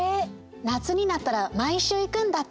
夏になったら毎週行くんだって。